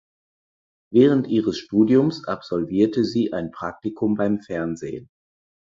Während ihres Studiums absolvierte sie ein Praktikum beim Fernsehen.